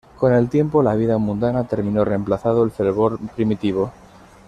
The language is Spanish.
Con el tiempo la vida mundana terminó reemplazado el fervor primitivo.